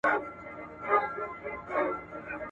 که دي زوی وي که دي ورور که دي بابا دی.